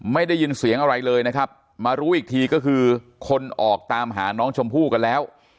ไม่ได้ยินเสียงอะไรเลยนะครับมารู้อีกทีก็คือคนออกตามหาน้องชมพู่กันแล้ว